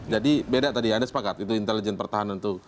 jadi beda tadi anda sepakat itu intelijen pertahanan itu